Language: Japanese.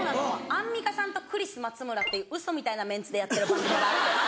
アンミカさんとクリス松村っていうウソみたいなメンツでやってる番組があって。